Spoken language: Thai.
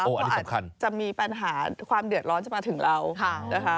อันนี้สำคัญนะครับเพราะอาจจะมีปัญหาความเดือดร้อนจะมาถึงเรานะคะ